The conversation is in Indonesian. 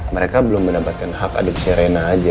mereka belum mendapatkan hak adopsi rena aja